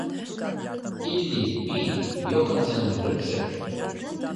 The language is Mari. — Илли, мий, Йоханнесым рӱпшӧ...